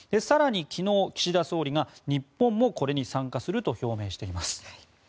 更に昨日、岸田総理が日本もこれに参加すると表明しています。